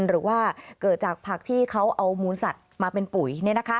หรือว่าเกิดจากผักที่เขาเอามูลสัตว์มาเป็นปุ๋ย